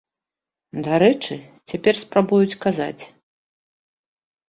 Дарэчы, цяпер спрабуюць казаць.